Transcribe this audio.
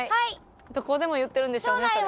どこでも言ってるんでしょうねそれ。